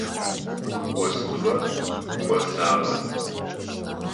Остыгъэр кӏосагъэ.